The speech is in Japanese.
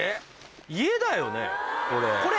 家だよねこれ。